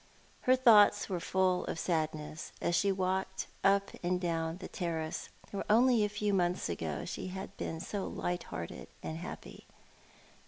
Her thoughts were full of sadness as she walked up and down the terrace where only a few months ago she had been so light hearted and happy.